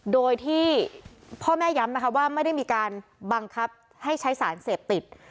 โดยที่พ่อแม่ย้ำนะคะว่าไม่ได้มีการบังคับให้ใช้สารเสพติด